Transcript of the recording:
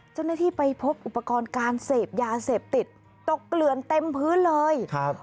เจ้าหน้าที่ไปพบอุปกรณ์การเสพยาเสพติดตกเกลือนเต็มพื้นเลยครับ